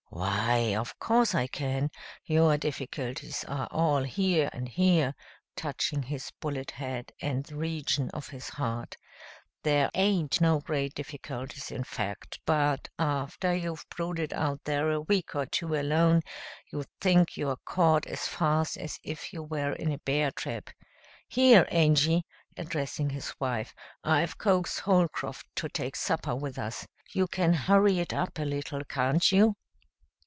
"Why, of course I can. Your difficulties are all here and here," touching his bullet head and the region of his heart. "There aint no great difficulties in fact, but, after you've brooded out there a week or two alone, you think you're caught as fast as if you were in a bear trap. Here, Angy," addressing his wife, "I've coaxed Holcroft to take supper with us. You can hurry it up a little, can't you?"